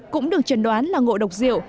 cũng được trần đoán là ngộ độc rượu